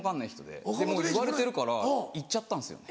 でもう言われてるから行っちゃったんですよ。